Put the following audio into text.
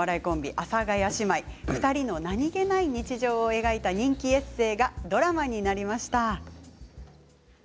阿佐ヶ谷姉妹２人の何気ない日常を描いた人気エッセーがドラマになりました。